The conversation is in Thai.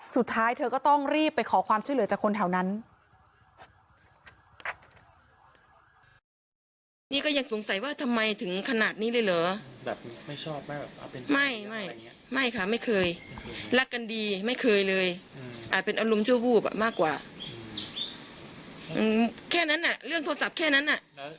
สุดท้ายเธอก็ต้องรีบไปขอความช่วยเหลือจากคนแถวนั้น